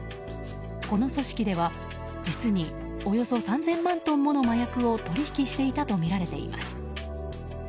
この組織では実におよそ３０００万トンもの麻薬を取引していたとみられています。